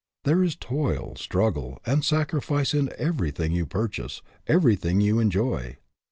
There is toil, strug gle, and sacrifice in everything you purchase, everything you enjoy.